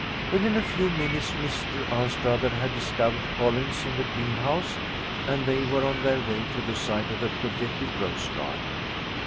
Within a few minutes Mr Anstruther had discovered Collins in the greenhouse, and they were on their way to the site of the projected rose garden.